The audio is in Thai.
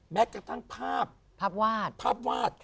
แม้กระทั่งภาพภาพวาด